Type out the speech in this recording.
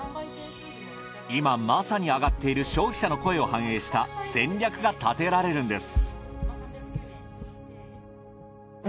今まさに挙がっている消費者の声を繁栄した戦略が立てられるんです。